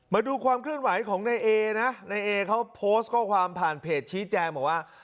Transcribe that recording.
มาดูความเคลื่อนไหวของนายเอนะนายเอเขาโพสต์ข้อความผ่านเพจชี้แจงบอกว่า